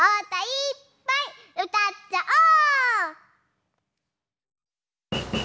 いっぱいうたっちゃおう！